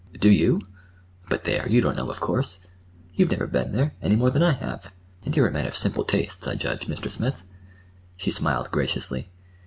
Do you? But there! You don't know, of course. You've never been there, any more than I have, and you're a man of simple tastes, I judge, Mr. Smith." She smiled graciously.